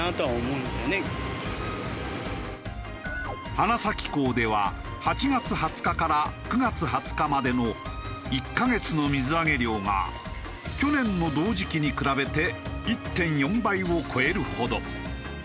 花咲港では８月２０日から９月２０日までの１カ月の水揚げ量が去年の同時期に比べて１．４倍を超えるほど。